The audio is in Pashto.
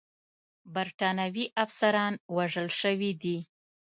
برټانوي افسران وژل شوي دي.